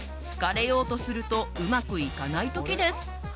好かれようとするとうまくいかない時です。